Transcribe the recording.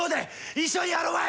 一緒にやろまい！